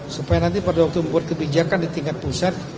supaya nanti pada waktu membuat kebijakan di tingkat pusat